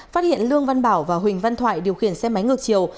phát hiện lương văn bảo và huỳnh văn thoại điều khiển xe máy ngược chiều